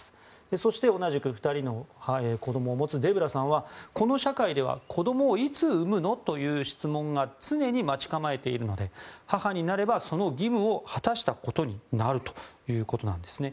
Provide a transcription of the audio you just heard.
そして、同じく２人の子供を持つデブラさんはこの社会では子供をいつ産むのという質問が常に待ち構えているので母になればその義務を果たしたことになるということなんですね。